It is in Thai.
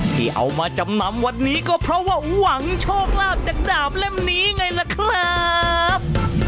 ที่เอามาจำนำวันนี้ก็เพราะว่าหวังโชคลาภจากดาบเล่มนี้ไงล่ะครับ